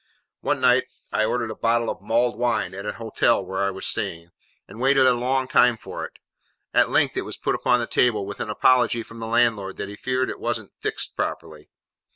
One night, I ordered a bottle of mulled wine at an hotel where I was staying, and waited a long time for it; at length it was put upon the table with an apology from the landlord that he feared it wasn't 'fixed properly.